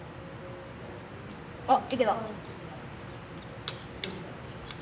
あっいけた！